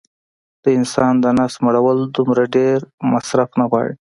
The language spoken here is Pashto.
د انسان د نس مړول دومره ډېر مصرف نه غواړي